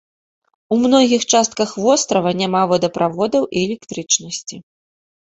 У многіх частках вострава няма водаправодаў і электрычнасці.